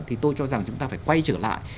thì tôi cho rằng chúng ta phải quay trở lại